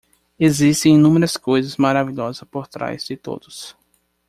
Existem inúmeras coisas maravilhosas por trás de todos.